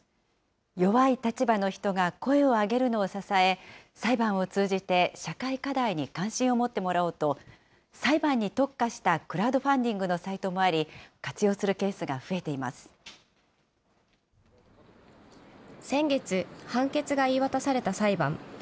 弱い立場の人が声を上げるのを支え、裁判を通じて社会課題に関心を持ってもらおうと、裁判に特化したクラウドファンディングのサイトもあり、活用する先月、判決が言い渡された裁判。